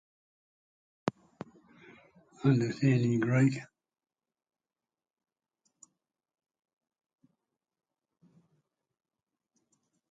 However, sometimes two or all these designations can be applied to a single person.